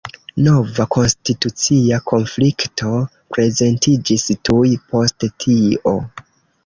Nova konstitucia konflikto prezentiĝis tuj post tio.